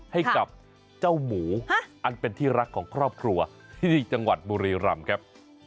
ให้กับเจ้าหมูอันเป็นที่รักของครอบครัวที่จังหวัดบุรีรำครับ